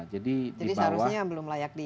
jadi seharusnya yang belum layak di